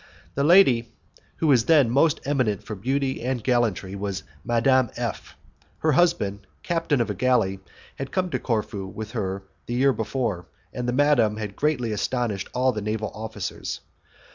The lady who was then most eminent for beauty and gallantry was Madame F . Her husband, captain of a galley, had come to Corfu with her the year before, and madam had greatly astonished all the naval officers.